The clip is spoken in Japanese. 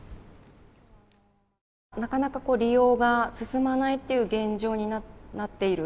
なかなか、利用が進まないっていう現状になっている。